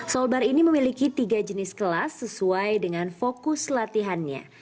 soul bar ini memiliki tiga jenis kelas sesuai dengan fokus latihannya